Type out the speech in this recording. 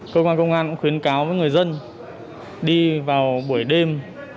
cơ quan công an cũng khuyến cáo với người dân đi vào buổi đêm